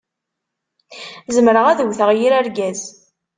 Zemreɣ ad wwteɣ yir argaz.